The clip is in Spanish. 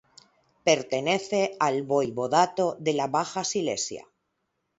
Pertenece al voivodato de la Baja Silesia.